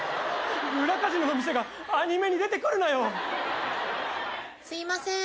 裏カジノの店がアニメに出てくるなよ。すいません。